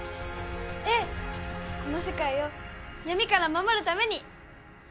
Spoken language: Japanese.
ええこの世界を闇から守るために！